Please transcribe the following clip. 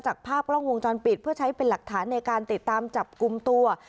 ภาพกล้องวงจรปิดเพื่อใช้เป็นหลักฐานในการติดตามจับกลุ่มตัว